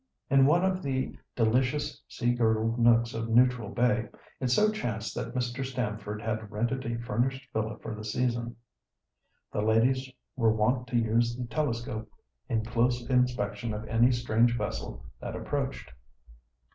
In one of the delicious sea girdled nooks of Neutral Bay, it so chanced that Mr. Stamford had rented a furnished villa for the season. The ladies were wont to use the telescope in close inspection of any strange vessel that approached.